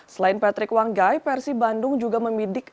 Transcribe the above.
selain patrick wanggai persib bandung juga membidik